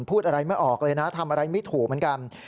พูดอะไรไม่ออกเลยนะทำอะไรไม่ถูกเหมือนกัน